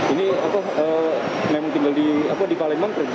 ini apa memang tinggal di apa di kalimantre jatuh apa